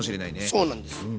そうなんです。